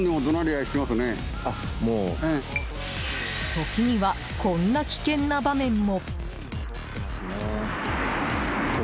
時には、こんな危険な場面も。